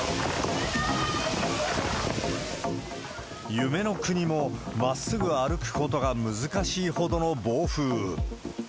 夢の国も、まっすぐ歩くことが難しいほどの暴風雨。